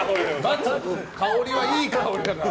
香りはいい香りだから。